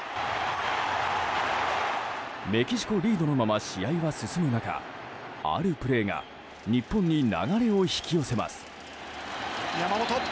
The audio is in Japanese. メキシコリードのまま試合は進む中あるプレーが日本に流れを引き寄せます。